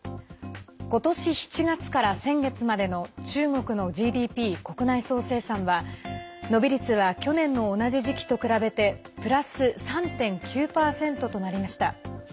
今年７月から先月までの中国のＧＤＰ＝国内総生産は伸び率は去年の同じ時期と比べてプラス３．９％となりました。